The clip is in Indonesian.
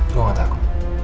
gue gak takut